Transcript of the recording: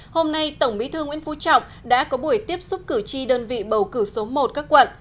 hôm nay tổng bí thư nguyễn phú trọng đã có buổi tiếp xúc cử tri đơn vị bầu cử số một các quận